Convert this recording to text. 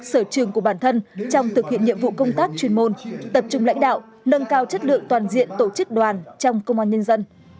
sở trường của bản thân trong thực hiện nhiệm vụ công tác chuyên môn tập trung lãnh đạo nâng cao chất lượng toàn diện tổ chức đoàn trong công an nhân dân